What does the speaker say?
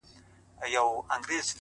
خپل کار په مینه ترسره کړئ!